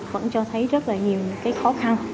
vẫn cho thấy rất nhiều khó khăn